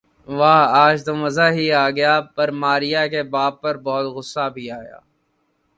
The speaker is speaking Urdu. واہ آج تو مزہ ہی آ گیا پر ماریہ کے باپ پر بہت غصہ بھی آیا